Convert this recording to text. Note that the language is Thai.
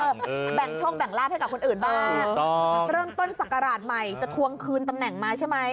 แบ่งโชคแบ่งลาบให้กับคนอื่นบ้างเริ่มต้นศักราชใหม่จะทวงคืนตำแหน่งมาใช่ไหม